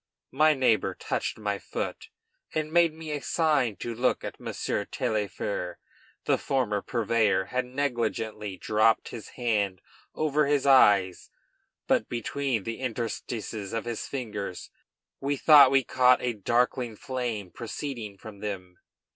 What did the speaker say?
My neighbor touched my foot, and made me a sign to look at Monsieur Taillefer. The former purveyor had negligently dropped his hand over his eyes, but between the interstices of his fingers we thought we caught a darkling flame proceeding from them.